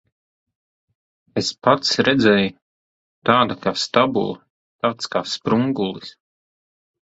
Es pats redzēju. Tāda kā stabule, tāds kā sprungulis.